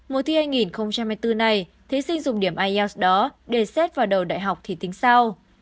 mùa thi hai nghìn hai mươi bốn này thí sinh dùng điểm ielts đó để xét vào đầu đại học thì tính sau